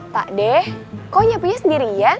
pak ade kok nyapunya sendiri ya